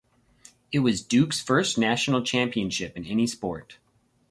It was Duke's first National Championship in any sport.